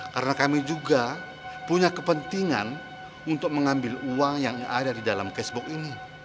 karena kami juga punya kepentingan untuk mengambil uang yang ada di dalam cashbook ini